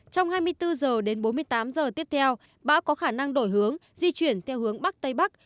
trong hai mươi bốn h đến bốn mươi tám giờ tiếp theo bão có khả năng đổi hướng di chuyển theo hướng bắc tây bắc